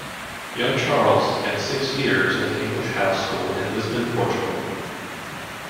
Young Charles spent six years at the English House school in Lisbon, Portugal.